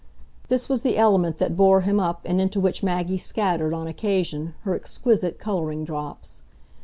This was the element that bore him up and into which Maggie scattered, on occasion, her exquisite colouring drops.